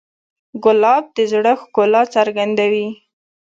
ګلاب د زړه ښکلا څرګندوي.